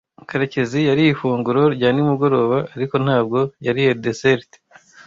Karekezi yariye ifunguro rya nimugoroba, ariko ntabwo yariye deserte.